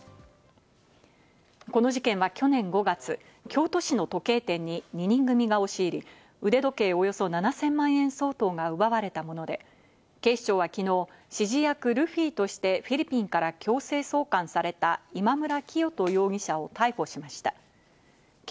この事件は去年５月、京都市の時計店に２人組が押し入り、腕時計およそ７０００万円相当が奪われたもので、警視庁はきのう、指示役ルフィとして、フィリピンから強制送還された、今村磨人容疑者を逮捕しました。